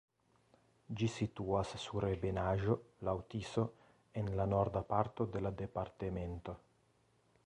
Ĝi situas sur ebenaĵo laŭ Tiso en la norda parto de la departemento.